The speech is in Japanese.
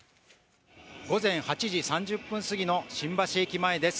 午前８時３０分過ぎの新橋駅前です。